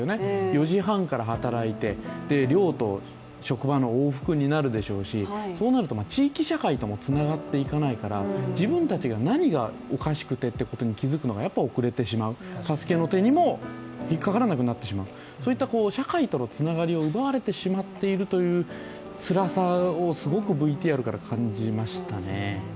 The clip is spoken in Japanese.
４時半から働いて、寮と職場の往復になってしまうでしょうしそうなると地域社会ともつながっていかないから、自分たちが、何がおかしくてということに気づくのが遅れてしまう、助けの手にも引っかからなくなってしまう、そういった社会とのつながりを奪われてしまっているつらさを、すごくＶＴＲから感じましたね。